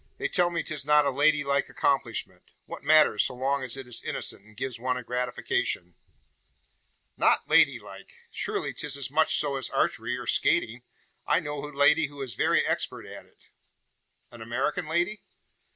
"They tell me 'tis not a lady like accomplishment. What matters so long as it is innocent, and gives one a gratification?" "Not lady like! Surely 'tis as much so as archery, or skating? I know a lady who is very expert at it." "An American lady?"